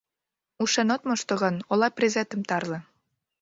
Ушен от мошто гын, Ола презетым тарле.